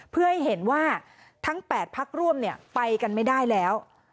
เพื่อให้เห็นว่าทั้ง๘พักร่วมไปกันไม่ได้แล้ว